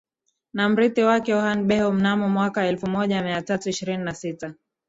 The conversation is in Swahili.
na mrithi wake Orhan Bey mnamo mwaka elfumoja miatatu ishirini na sita